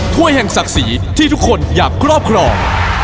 ถ้วยแห่งศักดิ์ศรีที่ทุกคนอยากครอบครอง